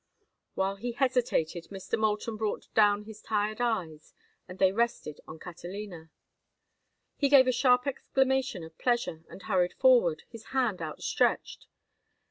While he hesitated, Mr. Moulton brought down his tired eyes and they rested on Catalina. He gave a sharp exclamation of pleasure and hurried forward, his hand out stretched.